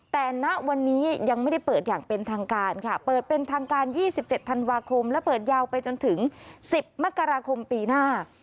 แต่ณวันนี้ยังไม่ได้เปิดอย่างเป็นทางการค่ะเปิดเป็นทางการ๒๗ธันวาคมและเปิดยาวไปจนถึง๑๐มกราคมปีหน้า